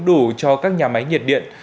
đủ cho các nhà máy nhiệt điện